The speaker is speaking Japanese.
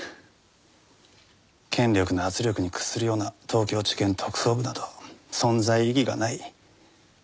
権力の圧力に屈するような東京地検特捜部など存在意義がない。